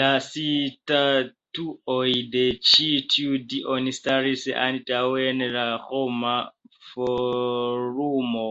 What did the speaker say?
La statuoj de ĉi tiuj dioj staris antaŭe en la Roma Forumo.